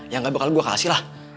ya gak bakal gue kasih lah